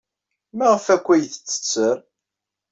Maɣef akk ay d-tetter?